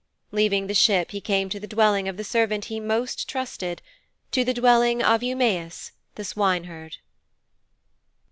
Leaving the ship he came to the dwelling of the servant he most trusted to the dwelling of Eumæus, the swineherd.